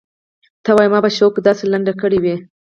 ته وايې ما به په شوق داسې لنډه کړې وي.